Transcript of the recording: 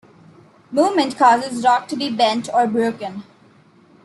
Movement causes rock to be bent or broken.